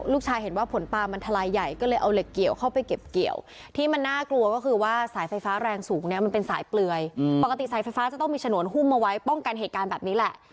เห็นว่าผลปลามันทลายใหญ่ก็เลยเอาเหล็กเกี่ยวเข้าไปเก็บเกี่ยวที่มันน่ากลัวก็คือว่าสายไฟฟ้าแรงสูงเนี่ยมันเป็นสายเปลือยปกติสายไฟฟ้าจะต้องมีฉนวนหุ้มเอาไว้ป้องกันเหตุการณ์แบบนี้แหละ